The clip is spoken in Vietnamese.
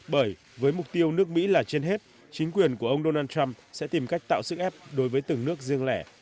bởi với mục tiêu nước mỹ là trên hết chính quyền của ông donald trump sẽ tìm cách tạo sức ép đối với từng nước riêng lẻ